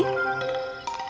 kita harus cukup aman dari hewan